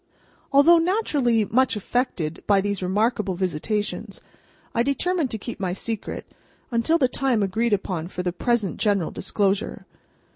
Although naturally much affected by these remarkable visitations, I determined to keep my secret, until the time agreed upon for the present general disclosure.